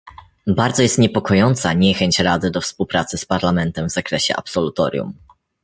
Bardzo jest niepokojąca niechęć Rady do współpracy z Parlamentem w zakresie absolutorium